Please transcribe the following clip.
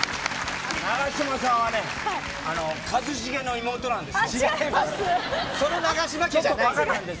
永島さんは一茂の妹なんです。